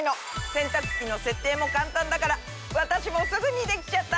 洗濯機の設定も簡単だから私もすぐにできちゃった！